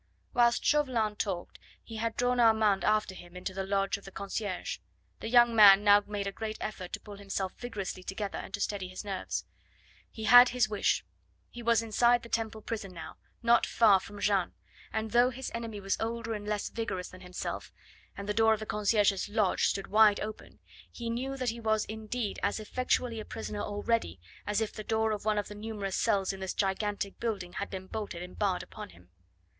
Whilst Chauvelin talked he had drawn Armand after him into the lodge of the concierge. The young man now made a great effort to pull himself vigorously together and to steady his nerves. He had his wish. He was inside the Temple prison now, not far from Jeanne, and though his enemy was older and less vigorous than himself, and the door of the concierge's lodge stood wide open, he knew that he was in deed as effectually a prisoner already as if the door of one of the numerous cells in this gigantic building had been bolted and barred upon him.